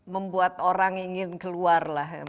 membuat orang ingin keluar